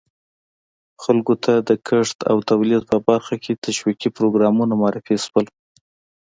خلکو ته د کښت او تولید په برخه کې تشویقي پروګرامونه معرفي شول.